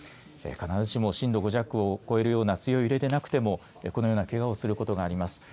必ずしも震度５弱を超えるような強い揺れでなくてもこのようなけがをすることがあります。